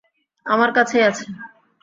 আমার কাছেই আছে।